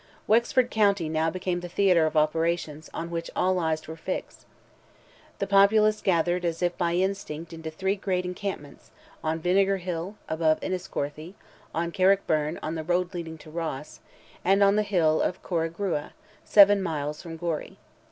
Wexford county now became the theatre of operations, on which all eyes were fixed. The populace gathered as if by instinct into three great encampments, on Vinegar Hill, above Enniscorthy; on Carrickbyrne, on the road leading to Ross, and on the hill of Corrigrua, seven miles from Gorey.